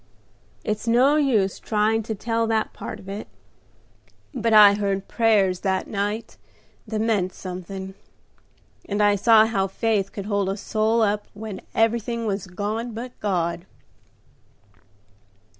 It's no use trying to tell that part of it; but I heard prayers that night that meant something, and I saw how faith could hold a soul up when everything was gone but God."